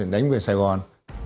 đánh về sài gòn